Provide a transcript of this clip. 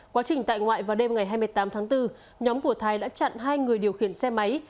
quá trình tại ngoại vào đêm ngày hai mươi tám tháng bốn nhóm của thái đã chặn hai người điều khiển xe máy